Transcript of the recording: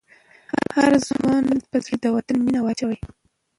د هر ځوان په زړه کې د وطن مینه واچوئ.